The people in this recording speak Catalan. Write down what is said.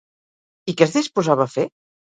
I què es disposava a fer?